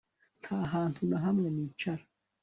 Nta hantu na hamwe nicara